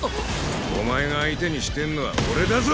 お前が相手にしてんのは俺だぞ？